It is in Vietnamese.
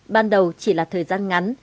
ban đầu chỉ là thời gian ngắn